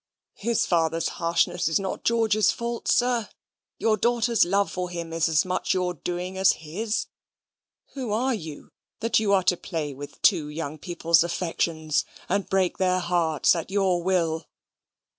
"His father's harshness is not George's fault, sir. Your daughter's love for him is as much your doing as his. Who are you, that you are to play with two young people's affections and break their hearts at your will?"